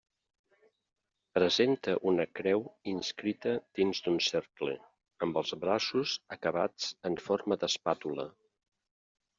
Presenta una creu inscrita dins d'un cercle, amb els braços acabats en forma d'espàtula.